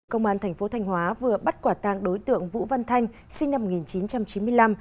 công an thành phố thanh hóa vừa bắt quả tang đối tượng vũ văn thanh sinh năm một nghìn chín trăm chín mươi năm